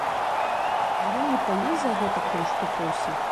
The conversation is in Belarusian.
А ён не паесць за гэтакую штуку ўсіх?